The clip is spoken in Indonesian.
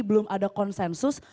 belum ada konsensus